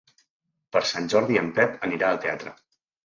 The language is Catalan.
Per Sant Jordi en Pep anirà al teatre.